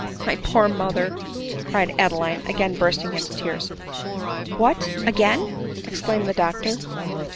" My poor mother !" cried Adeline, again bursting into tears. "What! again," exclaimed the doctor.